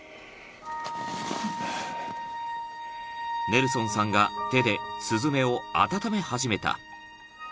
［ネルソンさんが手でスズメを温め始めた］